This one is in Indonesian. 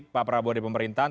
pak prabowo ada pemerintahan